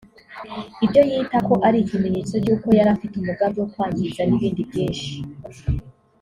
ibyo yita ko ari ikimenyetso cy’uko yari afite umugambi wo kwangiza n’ibindi byinshi